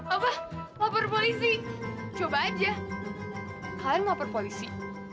apa lapor polisi coba aja kalian lapor polisi